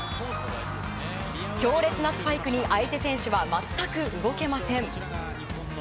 強烈なスパイクに、相手選手は全く動けません。